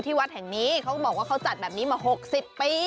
วัดแห่งนี้เขาก็บอกว่าเขาจัดแบบนี้มา๖๐ปี